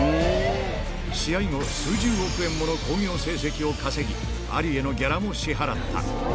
試合後、数十億円もの興行成績を稼ぎ、アリへのギャラも支払った。